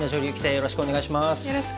よろしくお願いします。